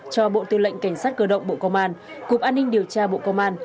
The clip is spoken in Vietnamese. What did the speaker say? cho bộ tư lệnh cảnh sát cơ động bộ công an cục an ninh điều tra bộ công an